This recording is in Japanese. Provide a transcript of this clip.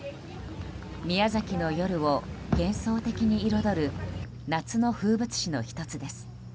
宮崎の夜を幻想的に彩る夏の風物詩の１つです。